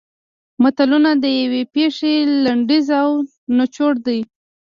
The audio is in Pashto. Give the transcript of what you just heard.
متلونه د یوې پېښې لنډیز او نچوړ دي